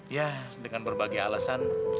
ya dengan berbagai alasan